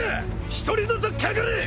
一人ずつかかれ！